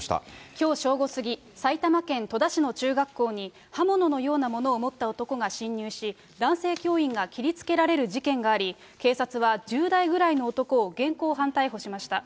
きょう正午過ぎ、埼玉県戸田市の中学校に刃物のようなものを持った男が侵入し、男性教員が切りつけられる事件があり、警察は１０代ぐらいの男を現行犯逮捕しました。